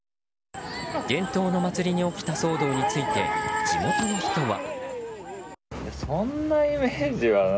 伝統の祭りに起きた騒動について地元の人は。